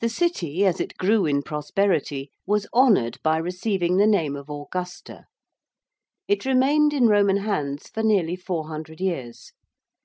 The City as it grew in prosperity was honoured by receiving the name of Augusta. It remained in Roman hands for nearly four hundred years.